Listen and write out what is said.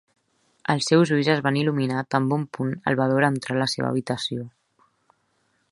Els seus ulls es van il·luminar tan bon punt el va veure entrar a la seva habitació.